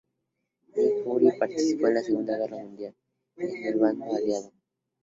Nick Fury participó en la Segunda Guerra Mundial, en el bando aliado.